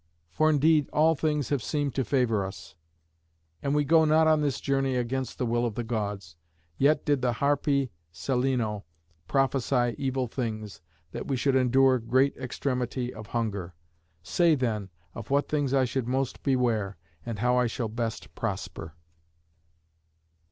For indeed all things have seemed to favour us, and we go not on this journey against the will of the Gods, yet did the Harpy Celæno prophesy evil things, that we should endure great extremity of hunger. Say, then, of what things I should most beware, and how I shall best prosper."